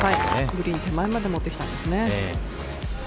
グリーン手前まで持ってきたんですね。